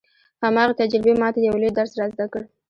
هماغې تجربې ما ته يو لوی درس را زده کړ.